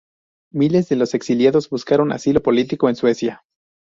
Miles de los exiliados buscaron asilo político en Suecia.